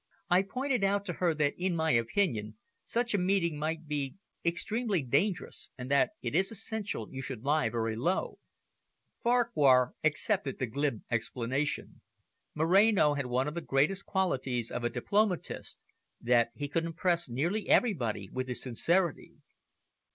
"I pointed out to her that, in my opinion, such a meeting might be extremely dangerous, and that it is essential you should lie very low." Farquhar accepted the glib explanation. Moreno had one of the greatest qualities of a diplomatist, that he could impress nearly everybody with his sincerity.